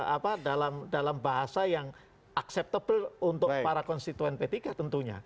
apa dalam bahasa yang acceptable untuk para konstituen p tiga tentunya